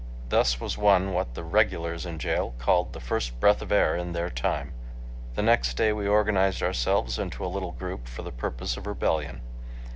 Thus was won what the "regulars" in jail called the first breath of air in their time. The next day we organized ourselves into a little group for the purpose of rebellion.